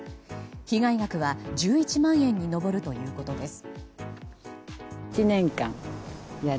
被害額は１１万円に上るということです。